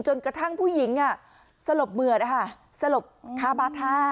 จนกระทั่งผู้หญิงอ่ะสลบเหมือดอ่ะค่ะสลบคาบาท่า